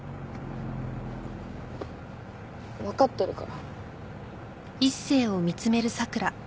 わかってるから。